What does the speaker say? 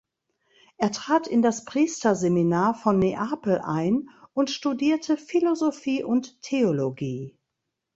Er trat in das Priesterseminar von Neapel ein und studierte Philosophie und Theologie.